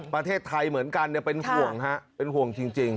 ประเทศไทยเหมือนกันเป็นห่วงฮะเป็นห่วงจริง